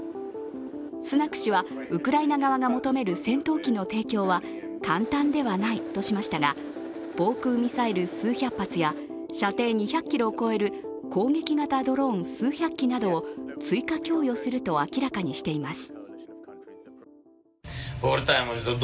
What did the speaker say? スナク氏はウクライナ側が求める戦闘機の提供は簡単ではないとしましたが、防空ミサイル数百発や射程２００ｋｍを超える攻撃型ドローン数百機などを追加供与すると明らかにしています。